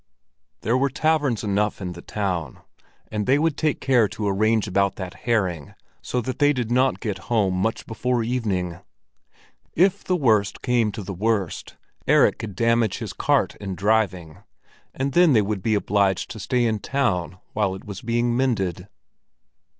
There were taverns enough in the town, and they would take care to arrange about that herring so that they did not get home much before evening. If the worst came to the worst, Erik could damage his cart in driving, and then they would be obliged to stay in town while it was being mended.